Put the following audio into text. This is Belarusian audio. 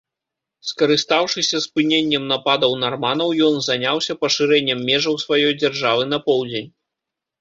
Скарыстаўшыся спыненнем нападаў нарманаў, ён заняўся пашырэннем межаў сваёй дзяржавы на поўдзень.